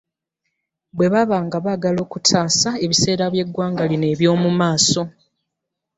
Bwe baba nga baagala okutaasa ebiseera byeggwanga lino ebyomumaaso.